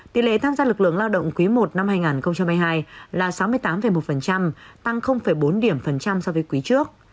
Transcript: tỷ lệ tham gia lực lượng lao động quý i năm hai nghìn hai mươi hai là sáu mươi tám một tăng bốn điểm phần trăm so với quý trước